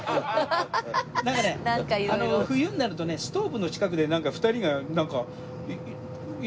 冬になるとねストーブの近くでなんか２人がなんか。